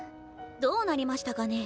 どうなりましたかね